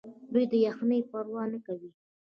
دوی د یخنۍ پروا نه کوي.